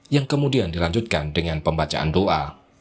yang kemudian dilanjutkan dengan pembacaan doa